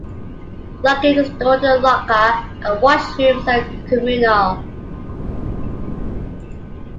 Luggage is stored in a locker; and washrooms are communal.